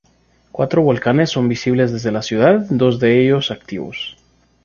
Cuatro volcanes son visibles desde la ciudad, dos de ellos activos.